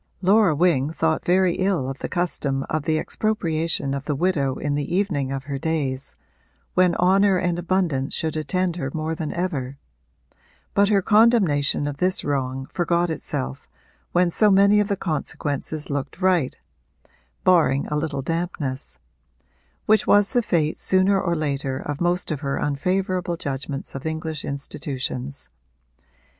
Laura Wing thought very ill of the custom of the expropriation of the widow in the evening of her days, when honour and abundance should attend her more than ever; but her condemnation of this wrong forgot itself when so many of the consequences looked right barring a little dampness: which was the fate sooner or later of most of her unfavourable judgments of English institutions.